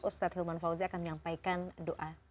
ustadz hilman fauzi akan menyampaikan doa